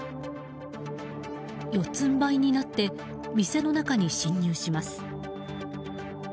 四つんばいになって店の中に侵入します。